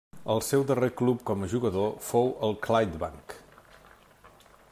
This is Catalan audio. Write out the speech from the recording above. El seu darrer club com a jugador fou el Clydebank.